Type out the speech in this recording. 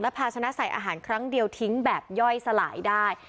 พาชนะใส่อาหารครั้งเดียวทิ้งแบบย่อยสลายได้